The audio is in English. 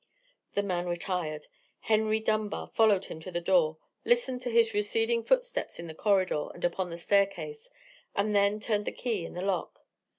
The man retired. Henry Dunbar followed him to the door, listened to his receding footsteps in the corridor and upon the staircase, and then turned the key in the lock.